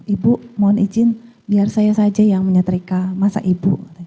ibu mohon izin biar saya saja yang menyetrika masa ibu